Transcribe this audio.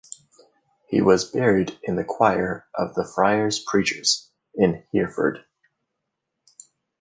He was buried in the choir of the Friars Preachers, in Hereford.